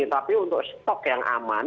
tapi untuk stok yang aman